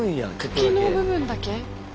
茎の部分だけ。